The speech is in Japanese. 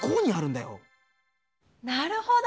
なるほど。